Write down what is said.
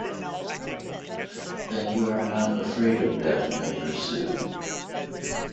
‘Then you are not afraid of death?’ I pursued.